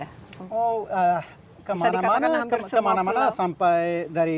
oh kemana mana sampai dari